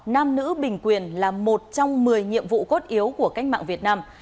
nam nữ bình quyền là một trong một mươi nhiệm vụ cốt yếu của cách mạng việt nam